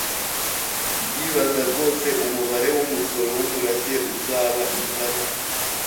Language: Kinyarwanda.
Ndibaza rwose umubare wumusoro wumurage uzaba ingana.